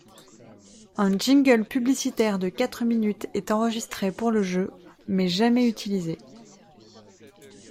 Un jingle publicitaire de quatre minutes est enregistré pour le jeu, mais jamais utilisé.